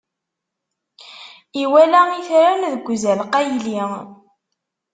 Iwala itran deg uzal qayli.